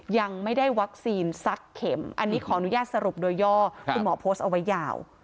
ยังไม่ได้วัคซีนสักเข็มอันนี้ขออนุญาตสรุปโดยย่อคุณหมอโพสต์เอาไว้ยาว